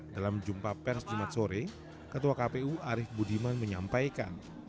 dalam jumpa pers jumat sore ketua kpu arief budiman menyampaikan